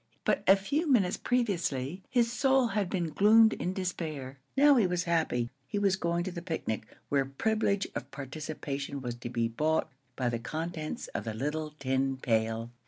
But a few minutes previously his soul had been gloomed in despair; now he was happy. He was going to the picnic, where privilege of participation was to be bought by the contents of the little tin pail.